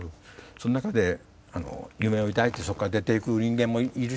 その中で夢を抱いてそこから出て行く人間もいるし